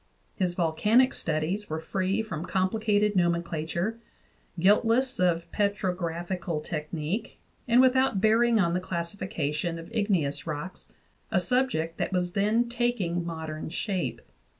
His volcanic studies were free from complicated nomenclature, guiltless of petrographical technique, and without bearing on the classification of igneous rocks a subject that was then taking modern shape.